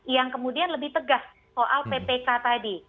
yang kemudian lebih tegas soal ppk tadi